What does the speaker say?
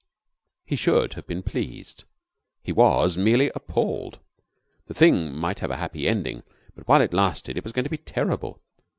He should have been pleased; he was merely appalled. The thing might have a happy ending, but while it lasted it was going to be terrible.